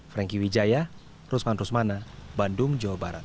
franky wijaya rusman rusmana bandung jawa barat